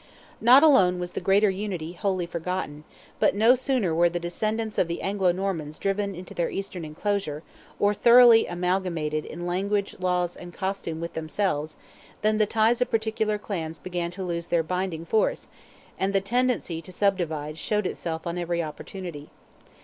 Not alone was the greater unity wholly forgotten, but no sooner were the descendants of the Anglo Normans driven into their eastern enclosure, or thoroughly amalgamated in language, laws and costume with themselves, than the ties of particular clans began to loose their binding force, and the tendency to subdivide showed itself on every opportunity.